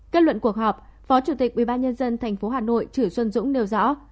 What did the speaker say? kết luận cuộc họp phó chủ tịch ubnd thành phố hà nội chỉu xuân dũng nêu rõ